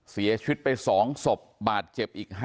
เสียชีวิตไป๒ศพบาดเจ็บอีก๕